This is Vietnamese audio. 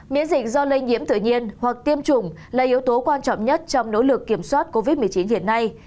miễn dịch do lây nhiễm tự nhiên hoặc tiêm chủng là yếu tố quan trọng nhất trong nỗ lực kiểm soát covid một mươi chín hiện nay